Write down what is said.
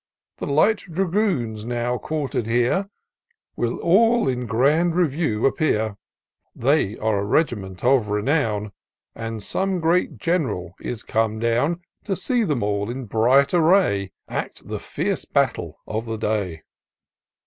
The light dragoons, now quartered here. Will all in grand review appear : They are a regiment of renown. And some great general is come down To see them all, in bright array, Act the fierce battle of the day.